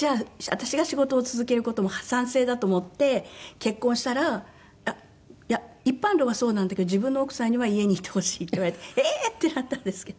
私が仕事を続ける事も賛成だと思って結婚したら「いや一般論はそうなんだけど自分の奥さんには家にいてほしい」って言われてええー！ってなったんですけど。